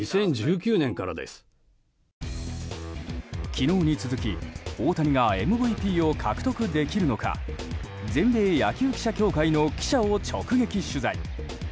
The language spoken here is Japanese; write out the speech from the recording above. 昨日に続き大谷がＭＶＰを獲得できるのか全米野球記者協会の記者を直撃取材。